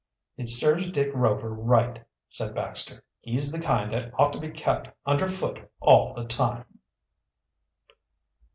"It serves Dick Rover right," said Baxter. "He's the kind that ought to be kept under foot all the time."